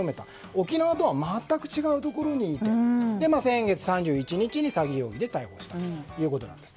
沖縄とは全く違うところにいて先月３１日に詐欺容疑で逮捕したということです。